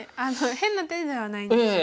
変な手ではないんですが。